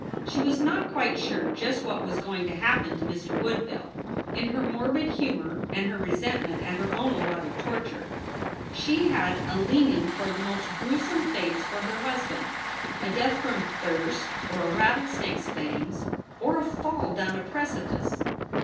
She was not quite sure just what was going to happen to Mr. Woodville. In her morbid humor and her resentment at her own allotted torture, she had a leaning toward the most gruesome fates for her husband a death from thirst or a rattlesnake s fangs or a fall down a precipice.